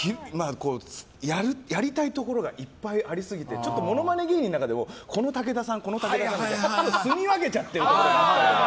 やりたいところがいっぱいありすぎてちょっとモノマネ芸人の中でもこの武田さん、この武田さんってすみ分けちゃってるところもあったりとか。